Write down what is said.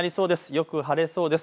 よく晴れそうです。